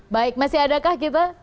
baik masih adakah kita